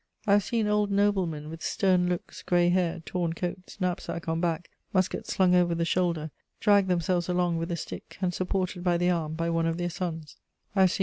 I have seen old noblemen, with stern looks, grey hair, torn coats, knapsack on back, musket slung over the shoulder, drag themselves along with a stick and supported by the arm by one of their sons; I have seen M.